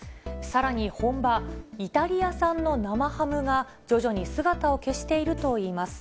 さらに本場イタリア産の生ハムが、徐々に姿を消しているといいます。